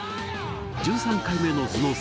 １３回目の頭脳戦